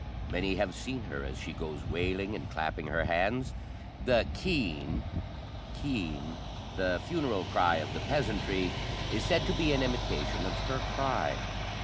Many have seen her as she goes wailing and clapping her hands. The keen [caoine], the funeral cry of the peasantry, is said to be an imitation of her cry.